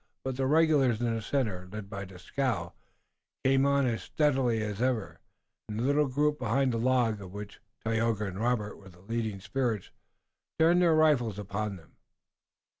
But the regulars in the center, led by Dieskau, came on as steadily as ever, and the little group behind the log, of which Tayoga and Robert were the leading spirits, turned their rifles upon them.